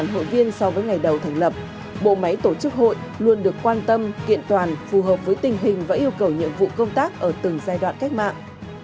hội viên so với ngày đầu thành lập bộ máy tổ chức hội luôn được quan tâm kiện toàn phù hợp với tình hình và yêu cầu nhiệm vụ công tác ở từng giai đoạn cách mạng